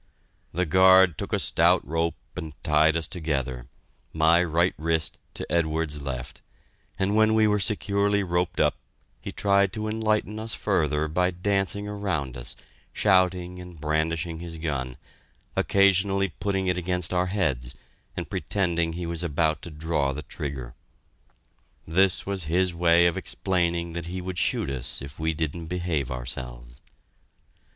The guard took a stout rope and tied us together, my right wrist to Edwards's left, and when we were securely roped up, he tried to enlighten us further by dancing around us, shouting and brandishing his gun, occasionally putting it against our heads and pretending he was about to draw the trigger. This was his way of explaining that he would shoot us if we didn't behave ourselves.